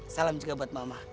salam juga buat mama